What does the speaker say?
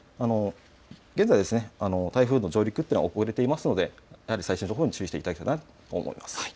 現在、台風の上陸というのは遅れていますので最新の情報に注意していただきたいと思います。